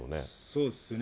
そうですね。